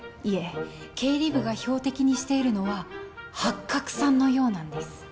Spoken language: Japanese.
いえ経理部が標的にしているのはハッカクさんのようなんです